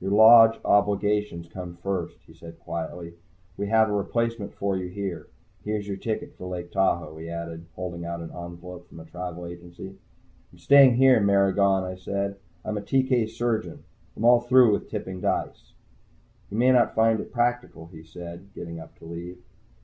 "Your Lodge obligations come first," he said quietly. "We have a replacement for you here. Here's your ticket for Lake Tahoe," he added, holding out an envelope from a travel agency. "I'm staying here, Maragon," I said. "I'm a TK surgeon. I'm all through tipping dice." "You may not find it practical," he said, getting up to leave.